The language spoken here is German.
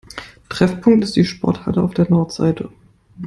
Treffpunkt ist die Sporthalle auf der Nordseite.